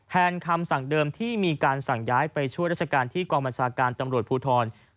แฮนคำสั่งเดิมที่มีการสั่งย้ายไปช่วยราชการที่กรมราชาการจำรวจภูทรภักดิ์